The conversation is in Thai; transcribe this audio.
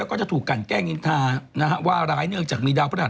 แก้นินทาว่าร้ายเนื่องจากมีดาวพฤหัส